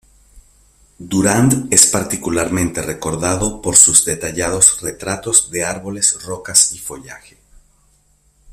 Durand es particularmente recordado por sus detallados retratos de árboles, rocas y follaje.